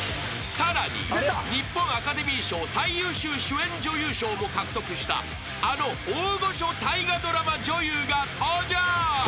［さらに日本アカデミー賞最優秀主演女優賞も獲得したあの大御所大河ドラマ女優が登場］